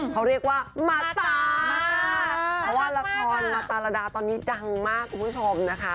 เขาเรียกว่ามาตามากเพราะว่าละครมาตาระดาตอนนี้ดังมากคุณผู้ชมนะคะ